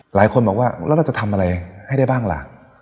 หลายคนบอกว่าแล้วเราจะทำอะไรให้ได้บ้างล่ะ